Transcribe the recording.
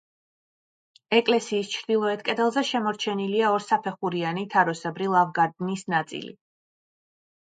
ეკლესიის ჩრდილოეთ კედელზე შემორჩენილია ორსაფეხურიანი თაროსებრი ლავგარდნის ნაწილი.